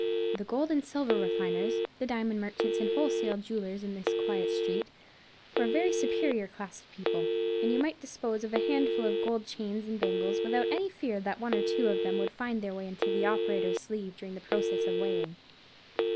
The gold and silver refiners, the diamond merchants and wholesale jewellers, in this quiet street, were a very superior class of people, and you might dispose of a handful of gold chains and bangles without any fear that one or two of them would find their way into the operator's sleeve during the process of weighing.